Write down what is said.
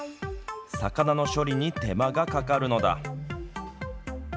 魚の処理に手間がかかるのだ。